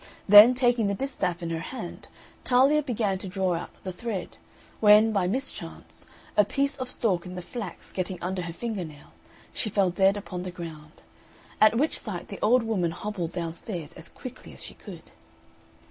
Then, taking the distaff in her hand, Talia began to draw out the thread, when, by mischance, a piece of stalk in the flax getting under her finger nail, she fell dead upon the ground; at which sight the old woman hobbled downstairs as quickly as she could.